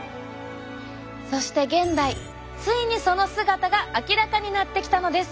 そして現代ついにその姿が明らかになってきたのです。